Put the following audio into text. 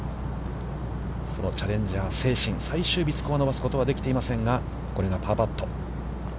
そのチャレンジャー精神、スコアを伸ばすことはできていませんが、これがパーパット。